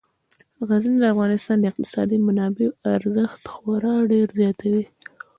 غزني د افغانستان د اقتصادي منابعو ارزښت خورا ډیر زیاتوي.